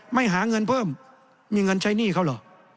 ไม่หาเงินเพิ่มมีเงินใช้หนี้เขาเหรอ